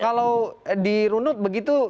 kalau di runut begitu